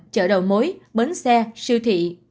chợ đầu mối bến xe siêu thị